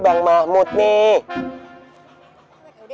mengundurkan karya aktifluk